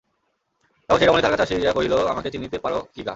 তখন সেই রমণী তাঁহার কাছে আসিয়া কহিল, আমাকে চিনিতে পার কি গা।